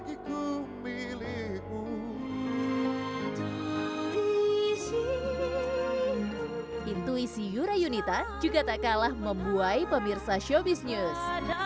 intuisi yura yunita juga tak kalah membuai pemirsa showbiz news